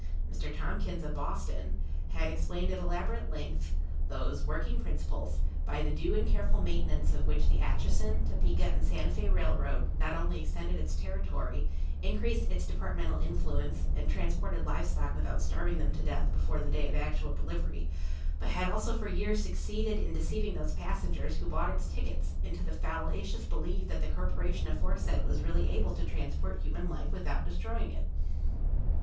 Mr. Tompkins, of Boston, had explained at elaborate length those working principles, by the due and careful maintenance of which the Atchison, Topeka, and Santa Fé Railroad not only extended its territory, increased its departmental influence, and transported live stock without starving them to death before the day of actual delivery, but, also, had for years succeeded in deceiving those passengers who bought its tickets into the fallacious belief that the corporation aforesaid was really able to transport human life without destroying it.